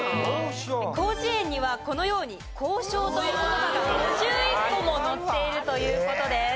『広辞苑』にはこのように「こうしょう」という言葉が５１個も載っているという事です。